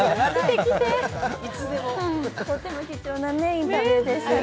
とっても貴重なインタビューでしたね。